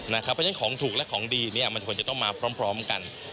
เพราะฉะนั้นของถูกและของดีมันควรจะต้องมาพร้อมกัน